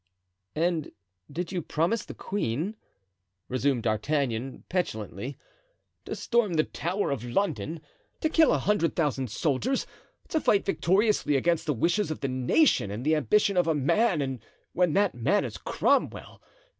"And did you promise the queen," resumed D'Artagnan, petulantly, "to storm the Tower of London, to kill a hundred thousand soldiers, to fight victoriously against the wishes of the nation and the ambition of a man, and when that man is Cromwell?